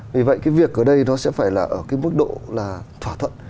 vì vậy cái việc ở đây nó sẽ phải là ở cái mức độ là thỏa thuận